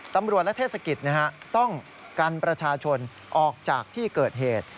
ตำรวจและเทศกิจต้องกันประชาชนออกจากที่เกิดเหตุ